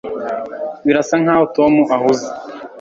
birasa nkaho tom ahuze